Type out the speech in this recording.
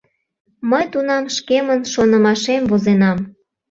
Мый тунам шкемын “Шонымашем” возенам...